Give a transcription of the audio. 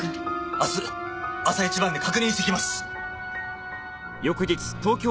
明日朝一番で確認してきます。